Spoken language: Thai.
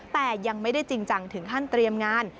แต่ยังไม่ได้จริงจังถึงขั้นเตรียมงาน